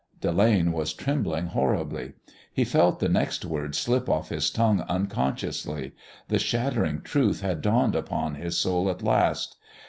Delane was trembling horribly. He felt the next words slip off his tongue unconsciously. The shattering truth had dawned upon his soul at last.